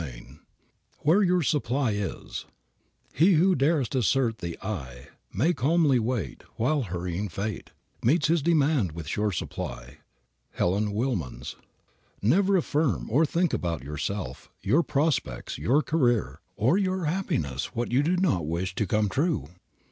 CHAPTER X WHERE YOUR SUPPLY IS He who dares assert the I, May calmly wait While hurrying fate Meets his demand with sure supply. HELEN WILMANS. Never affirm, or think about yourself, your prospects, your career, or your happiness what you do not wish to come true.